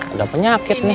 ada penyakit nih